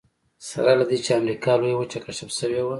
سره له دې چې امریکا لویه وچه کشف شوې وه.